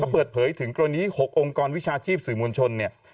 เปิดเผยถึงกรณี๖องค์กรวิชาชีพสื่อมวลชนเนี่ย